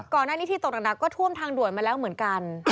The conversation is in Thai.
ก่อนหน้านี้ที่ตกหนักก็ท่วมทางด่วนมาแล้วเหมือนกัน